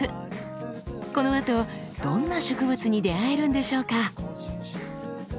このあとどんな植物に出会えるんでしょうか？